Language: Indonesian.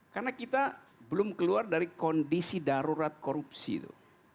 karena kita belum keluar dari kondisi darurat korupsi itu